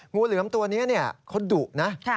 งูเหลือมตัวนี้เขาดุนะ